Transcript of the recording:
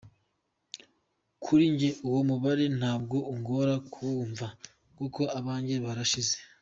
Kuri njye uwo mubare ntabwo ungora kuwumva kuko abanjye barashize.